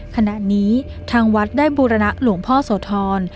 ขณะนี้ทางวัดได้บูรณะหลวงพ่อโสธร